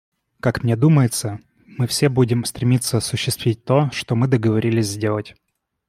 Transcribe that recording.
Как мне думается, мы все будем стремиться осуществить то, что мы договорились сделать.